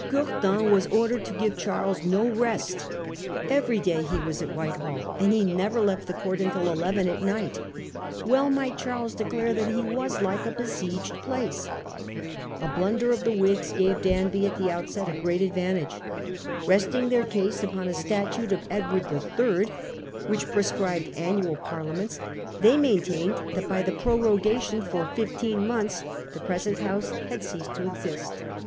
Courtin was ordered to give Charles no rest ; every day he was at Whitehall, and he never left the court until eleven at night. Well might Charles declare that he was like a besieged place. A blunder of the Whigs gave Danby at the outset a 1677 * Danby defeats the Opposition, 245 great advantage. Resting their case upon a statute of Edward III. which prescribed annual Parliaments, they maintained that by th^ prorogation for fifteen months the present House had ceAsed to exist.